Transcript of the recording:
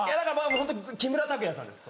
ホント木村拓哉さんです。